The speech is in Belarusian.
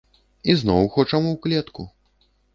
І зноў хочам у клетку!